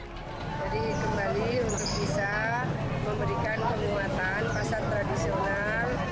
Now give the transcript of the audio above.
jadi kembali untuk bisa memberikan kemuatan pasar tradisional